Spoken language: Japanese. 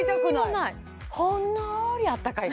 ほんのりあったかい